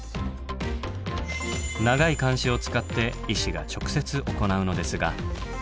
長い鉗子を使って医師が直接行うのですが。